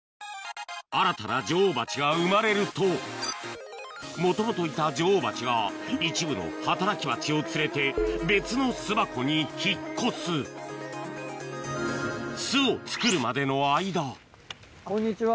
新たな女王バチが生まれるともともといた女王バチが一部の働きバチを連れて別の巣箱に引っ越す巣を作るまでの間こんにちは。